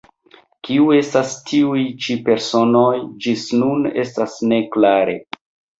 Kiu estas tiuj ĉi personoj, ĝis nun estas ne klare.